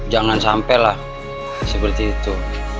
jangan sampelah seperti itu